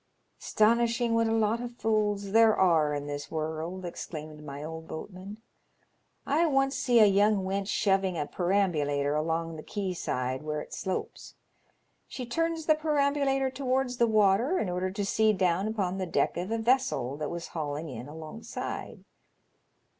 '^ 'Stonishing what a lot of fools there are in this world !" exclaimed my old boatman. " I once see a young wench shoving a perambulator along the quay side, where it slopes. She turns the perambulator towards the water in order to see down upon the deck of a vessel that was hauling in alongside.